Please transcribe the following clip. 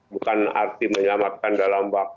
bukan arti menyelamatkan dalam arti diamantri